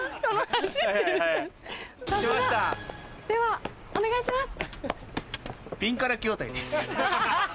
ではお願いします！